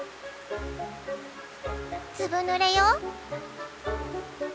「ずぶぬれよ！」。